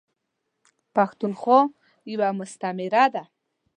پښتونخوا یوه مستعمیره ده .